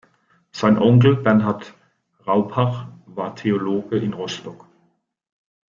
Sein Onkel Bernhard Raupach war Theologe in Rostock.